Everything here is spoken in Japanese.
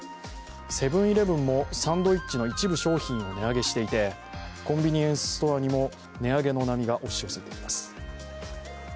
セブン−イレブンも、サンドイッチの一部商品を値上げしていてコンビニエンスストアにも値上げの波が押し寄せています。